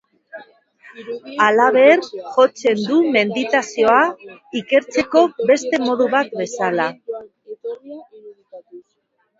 Halaber, jotzen du meditazioa ikertzeko beste modu bat bezala.